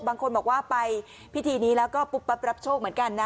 บางคนบอกว่าไปพิธีนี้แล้วก็ปุ๊บปั๊บรับโชคเหมือนกันนะ